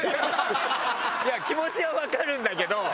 いや気持ちはわかるんだけど。